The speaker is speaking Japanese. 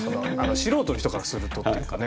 素人の人からするとっていうかね